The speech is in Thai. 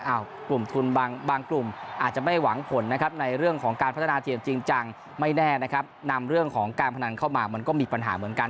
กลุ่มทุนบางกลุ่มอาจจะไม่หวังผลนะครับในเรื่องของการพัฒนาทีมจริงจังไม่แน่นะครับนำเรื่องของการพนันเข้ามามันก็มีปัญหาเหมือนกัน